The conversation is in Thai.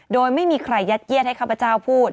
โดยไม่มีใครยัดเยียดให้ข้าพเจ้าพูด